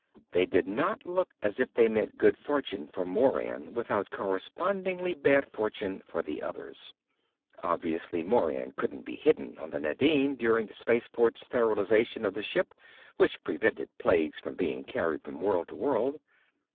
They did not look as if they meant good fortune for Moran without corresponding bad fortune for the others. Obviously, Moran couldn't be hidden on the Nadine during the space port sterilization of the ship which prevented plagues from being carried from world to world.